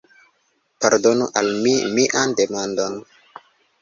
Pardonu al mi mian demandon!